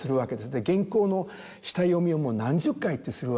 で原稿の下読みをもう何十回ってするわけなんです。